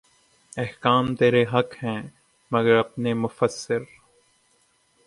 احکام ترے حق ہیں مگر اپنے مفسر